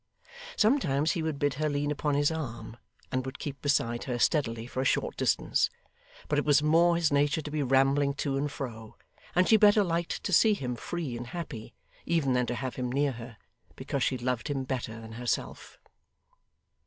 Sometimes he would bid her lean upon his arm, and would keep beside her steadily for a short distance; but it was more his nature to be rambling to and fro, and she better liked to see him free and happy, even than to have him near her, because she loved him better than herself.